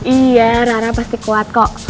iya rana pasti kuat kok